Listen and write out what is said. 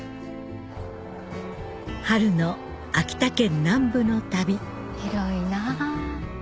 春の秋田県南部の旅広いな。